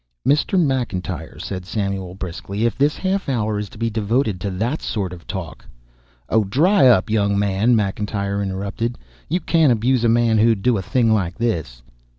"Mr. McIntyre," said Samuel briskly, "if this half hour is to be devoted to that sort of talk " "Oh, dry up, young man," McIntyre interrupted, "you can't abuse a man who'd do a thing like this."